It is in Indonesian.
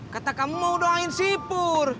kata kamu mau doain sipur